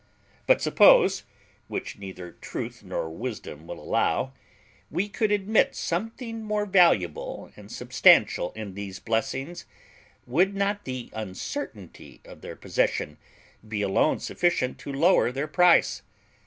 But suppose (which neither truth nor wisdom will allow) we could admit something more valuable and substantial in these blessings, would not the uncertainty of their possession be alone sufficient to lower their price?